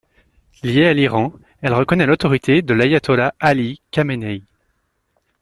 Liée à l'Iran, elle reconnait l'autorité de l'ayatollah Ali Khamenei.